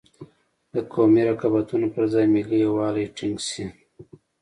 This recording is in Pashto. د قومي رقابتونو پر ځای ملي یوالی ټینګ شي.